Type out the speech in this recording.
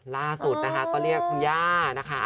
ล่าสุดนะคะก็เรียกคุณย่านะคะ